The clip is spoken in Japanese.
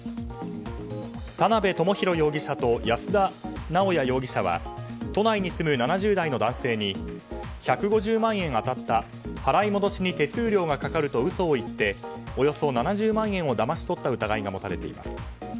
田辺智祐容疑者と安田直弥容疑者は都内に住む７０代の男性に１５０万円当たった払い戻しに手数料がかかると嘘を言って、およそ７０万円をだまし取った疑いが持たれています。